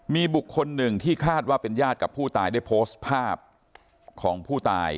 มีบุคคลหนึ่งที่คาดว่าเป็นญาติกับผู้ตายได้โพสต์ภาพของผู้ตาย